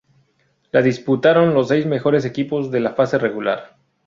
La disputaron los seis mejores equipos de la fase regular.